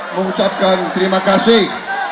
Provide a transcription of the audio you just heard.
mengucapkan terima kasih